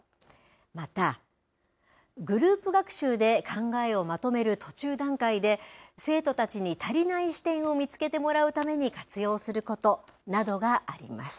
また、グループ学習で考えをまとめる途中段階で、生徒たちに足りない視点を見つけてもらうために活用することなどがあります。